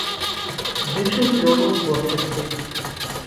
Зычым плёну ў творчасці.